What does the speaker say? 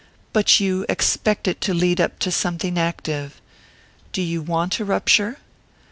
"But you expect it to lead up to something active. Do you want a rupture?"